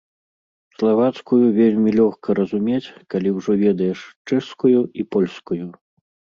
Славацкую вельмі лёгка разумець, калі ўжо ведаеш чэшскую і польскую.